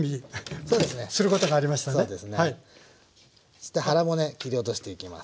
そして腹骨切り落としていきます。